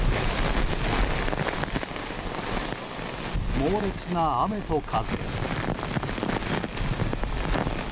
猛烈な雨と風。